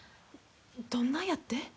どんなやって？